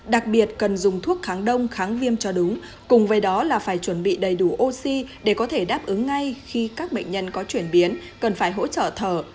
đặc biệt cần dùng thuốc kháng đông kháng viêm cho đúng cùng với đó là phải chuẩn bị đầy đủ oxy để có thể đáp ứng ngay khi các bệnh nhân có chuyển biến cần phải hỗ trợ thở